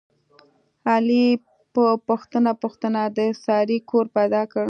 علي په پوښته پوښتنه د سارې کور پیدا کړ.